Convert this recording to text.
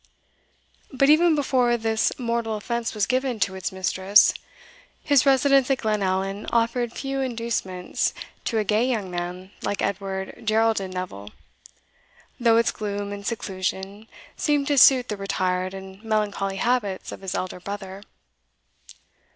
But even before this mortal offence was given to its mistress, his residence at Glenallan offered few inducements to a gay young man like Edward Geraldin Neville, though its gloom and seclusion seemed to suit the retired and melancholy habits of his elder brother.